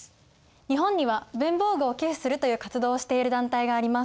日本には文房具を寄付するという活動をしている団体があります。